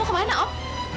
kamu kemana om